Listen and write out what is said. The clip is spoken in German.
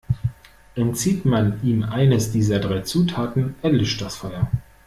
Entzieht man ihm eines dieser drei Zutaten, erlischt das Feuer.